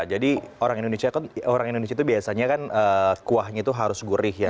jadi orang indonesia itu biasanya kan kuahnya itu harus gurih ya